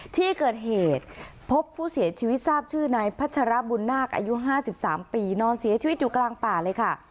ที่เกิดเหตุพบผู้เสียชีวิตทราบชื่อนายพัชรบุญนาคอายุ๕๓ปีนอนเสียชีวิตอยู่กลางป่าเลยค่ะ